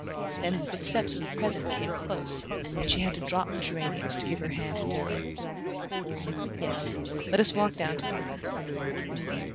Then the footsteps of the present came close, and she had to drop the geraniums to give her hand to Darrow... "Yes, let us walk down to the river."